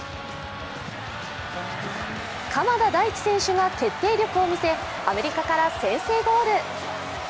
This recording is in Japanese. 鎌田大地選手が決定力を見せアメリカから先制ゴール。